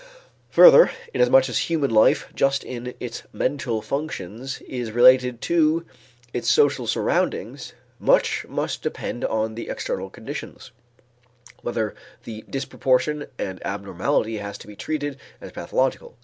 Further, inasmuch as human life just in its mental functions is related to its social surroundings, much must depend on the external conditions, whether the disproportion and abnormality has to be treated as pathological.